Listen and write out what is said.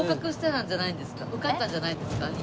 受かったんじゃないですか？